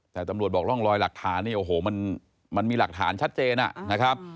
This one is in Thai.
แต่ตำรวจบอกร่องรอยหลักฐานเนี่ยโอ้โหมันมีหลักฐานชัดเจนนะครับ